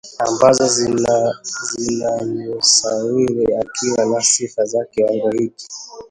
ambazo zinamsawiri akiwa na sifa za kiwango hiki